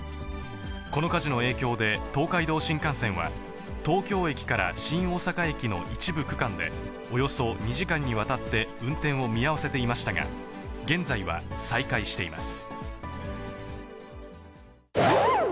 この火事の影響で、東海道新幹線は、東京駅から新大阪駅の一部区間で、およそ２時間にわたって運転を見合わせていましたが、現在は再開しています。